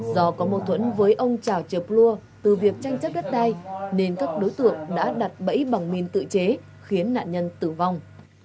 do có mâu thuẫn với ông chảo trợp lua từ việc tranh chấp đất đai nên các đối tượng đã đặt bẫy bằng mìn tự chế khiến nạn nhân tử vong